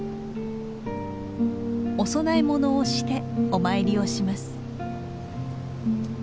お供え物をしてお参りをします。